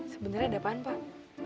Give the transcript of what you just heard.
sebenernya ada apaan pak